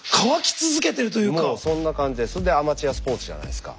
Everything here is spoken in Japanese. もうそんな感じでそれでアマチュアスポーツじゃないですか。